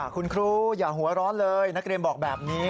คุณครูอย่าหัวร้อนเลยนักเรียนบอกแบบนี้